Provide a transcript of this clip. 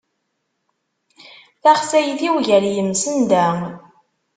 Taxsayt-iw gar yimsenda.